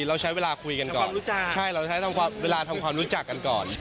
เราใช้เวลาคุยกันก่อนใช่เราใช้เวลาทำความรู้จักกันก่อน